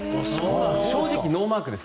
正直、ノーマークです。